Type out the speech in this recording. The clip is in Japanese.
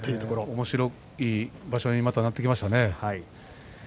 おもしろい場所になってきましたね。